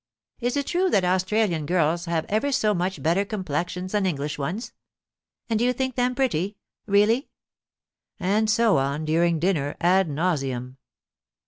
Is it true that Austra lian girls have ever so much better complexions than English ones? and do you think them pretty — really?* and so on during dinner, ad nauseam.